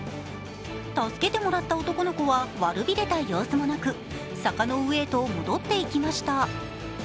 助けてもらった男の子は悪びれた様子もなく坂の上へと戻っていきました。